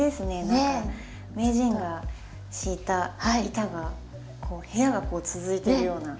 何か名人が敷いた板がこう部屋が続いてるような。